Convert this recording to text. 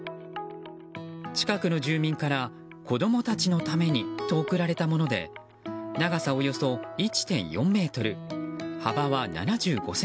近くの住民から子供たちのためにと贈られたもので長さおよそ１．４ｍ幅は７５ｃｍ。